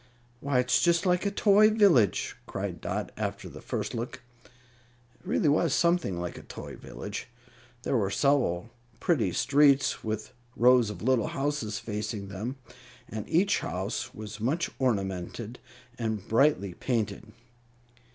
"Why, it's just like a toy village!" cried Dot, after the first look. It really was something like a toy village. There were several pretty streets, with rows of little houses facing them, and each house was much ornamented and brightly painted.